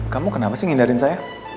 kamu kenapa sih ngindarin saya